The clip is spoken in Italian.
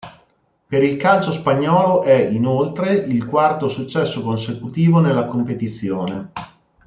Per il calcio spagnolo è, inoltre, il quarto successo consecutivo nella competizione.